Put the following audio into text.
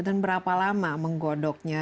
dan berapa lama menggodoknya